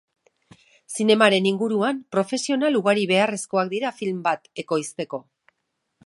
Zinemaren inguruan, profesional ugari beharrezkoak dira film bat ekoizteko.